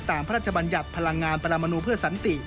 พระราชบัญญัติพลังงานปรมนูเพื่อสันติ